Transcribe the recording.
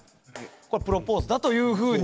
これプロポーズだというふうに。